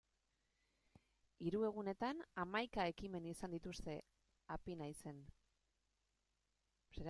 Hiru egunetan hamaika ekimen izan dituzte Apinaizen.